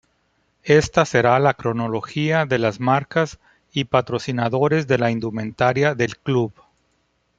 Esta será la cronología de las marcas y patrocinadores de la indumentaria del club.